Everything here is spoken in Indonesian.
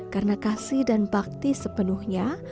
karena kasih dan bakti sepenuhnya